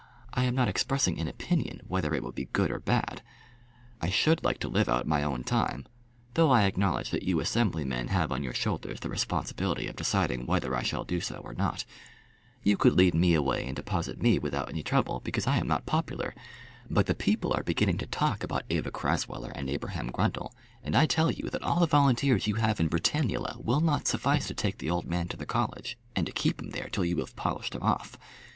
I am not expressing an opinion whether it would be good or bad. I should like to live out my own time, though I acknowledge that you Assembly men have on your shoulders the responsibility of deciding whether I shall do so or not. You could lead me away and deposit me without any trouble, because I am not popular. But the people are beginning to talk about Eva Crasweller and Abraham Grundle, and I tell you that all the volunteers you have in Britannula will not suffice to take the old man to the college, and to keep him there till you have polished him off.